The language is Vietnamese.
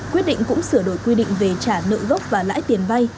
quyết định cũng sửa đổi quy định về trả nợ gốc và lãi tiền vay